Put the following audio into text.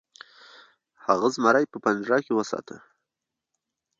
هغه زمری په پنجره کې وساته.